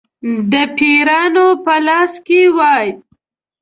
د پیرانو په لاس کې وای.